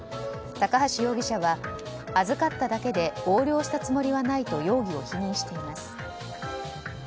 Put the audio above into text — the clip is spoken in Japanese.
高橋容疑者は預かっただけで横領したつもりはないと容疑を否認しています。